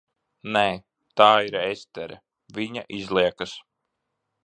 Nē. Tā ir Estere, viņa izliekas.